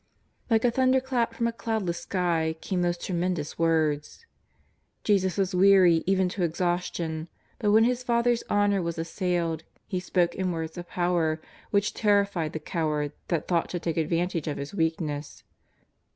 Like a thunderclap from a cloudless sky came those tremendous words. Jesus was weary even to exhaus tion. But when His Father's honour was assailed He spoke in words of power which terrified the coward that thought to take advantage of His weakness.